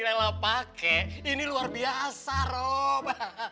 laila pake ini luar biasa rob